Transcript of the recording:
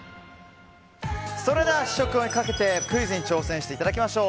試食をかけてクイズに挑戦していただきましょう。